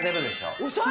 おしゃれ。